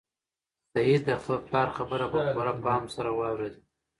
سعید د خپل پلار خبره په پوره پام سره واورېده.